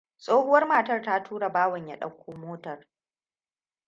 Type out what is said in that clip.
Tsohuwar matar ta tura bawan ya dauko motar.